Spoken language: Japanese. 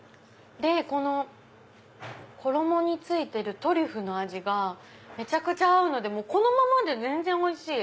でこの衣についてるトリュフの味がめちゃくちゃ合うのでこのままで全然おいしい。